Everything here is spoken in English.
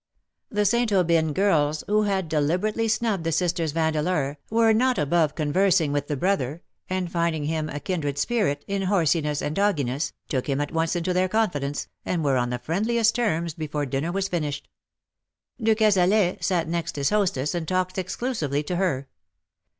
The St. Aubyn girls, who had deliberately snubbed the sisters Vandeleur, were not above conversing with the brother, and, find ing him a kindred spirit in horseyness and doggyness, took him at once into their confidence, and were on the friendliest terms before dinner was finished. De Cazalet sat next his hostess, and talked exclusively to her.